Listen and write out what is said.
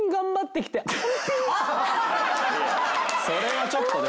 それはちょっとね。